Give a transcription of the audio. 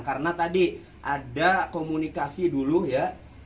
karena tadi ada komunikasi dulu ya